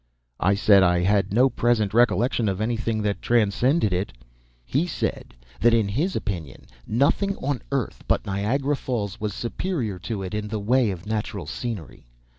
I said I had no present recollection of anything that transcended it. He said that in his opinion nothing on earth but Niagara Falls was superior to it in the way of natural scenery.